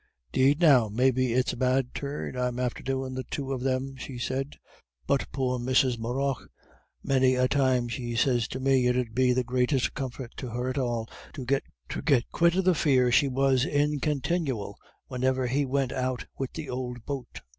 "'Deed, now, maybe it's a bad turn I'm after doin' the two of them," she said; "but poor Mrs. Morrough, many a time she sez to me it 'ud be the greatest comfort to her at all to get quit of the fear she was in continyal wheniver he went out wid the ould boat.